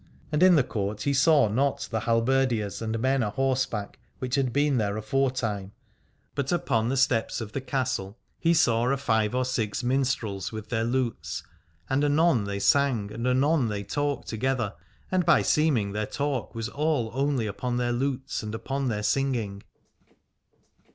And in the court he saw not the halberdiers and men a horseback which had been there aforetime, but upon the steps of the castle he saw a five or six minstrels with their lutes, and anon they sang and anon they talked to gether, and by seeming their talk was all only upon their lutes and upon their singing.